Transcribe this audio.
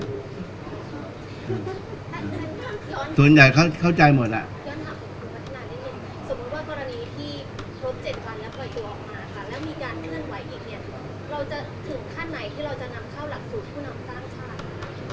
แล้วมีการเลื่อนไหวอีกเนี่ยเราจะถึงขั้นไหนที่เราจะนำเข้าหลักศูนย์ผู้นำตั้งชาติ